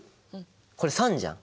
これ酸じゃん。